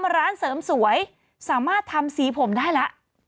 ร้านเสริมสวยสามารถทำสีผมได้แล้ว